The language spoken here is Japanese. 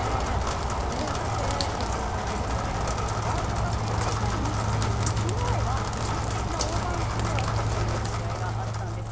激戦が繰り広げられているワールドカップ大会３日目の昨日は歴史的な大番狂わせといえる試合があったんです。